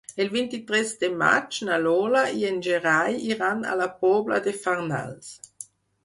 El vint-i-tres de maig na Lola i en Gerai iran a la Pobla de Farnals.